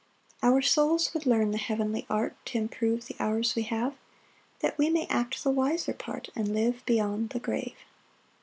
7 Our souls would learn the heavenly art T' improve the hours we have, That we may act the wiser part, And live beyond the grave.